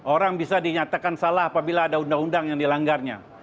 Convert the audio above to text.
orang bisa dinyatakan salah apabila ada undang undang yang dilanggarnya